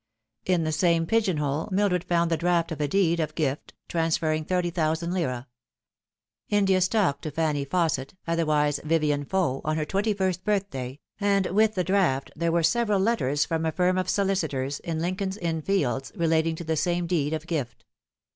In the same pigeon hole Mildred found the draft of a deed of gift, transferring 30,OOOZ. India Stock to Fanny Fausset, other wise Vivien Faux, on her twenty first birthday, and with the draft there were several letters .from a firm of solicitors in Lincoln's Inn Fields relating to the same deed of gift.